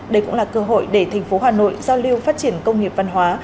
đây cũng là cơ hội để thành phố hà nội giao lưu phát triển công nghiệp văn hóa